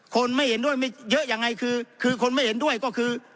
คนไม่เห็นด้วยไม่เยอะยังไงคือคือคนไม่เห็นด้วยก็คือ